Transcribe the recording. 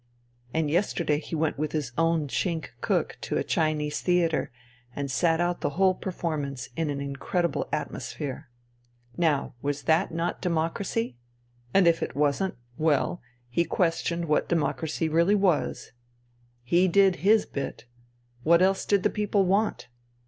And yesterday he went with his own Chink cook to a Chinese theatre and sat out the whole performance INTERVENING IN SIBERIA 203 in an incredible atmosphere. Now was that not democracy ? And if it wasn't, well, he questioned what democracy really was. He did his bit. What else did the people want